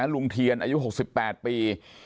ลุงเทียนอายุ๖๘ปี